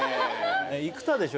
生田でしょ